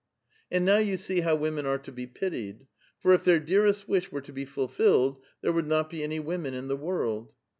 " And now you see how women are to be pitied ; for if their dearest wish were to be fulfilled, there would not be any women in the world